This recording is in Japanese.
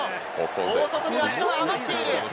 大外、人が余っている。